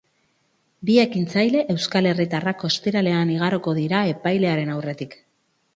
Bi ekintzaile euskal herritarrak ostiralean igaroko dira epailearen aurretik.